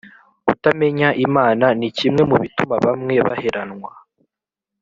kutamenya imana ni kimwe mu bituma bamwe baheranwa